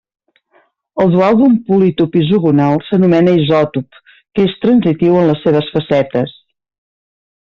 El dual d'un polítop isogonal s'anomena isòtop, que és transitiu en les seves facetes.